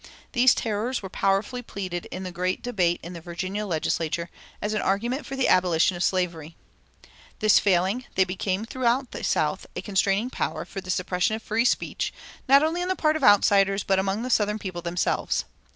These terrors were powerfully pleaded in the great debate in the Virginia legislature as an argument for the abolition of slavery.[281:2] This failing, they became throughout the South a constraining power for the suppression of free speech, not only on the part of outsiders, but among the southern people themselves.